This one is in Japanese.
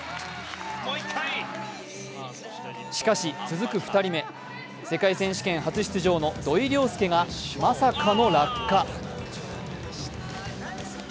しかし続く２人目、世界選手権初出場の土井陵輔がまさかの落下。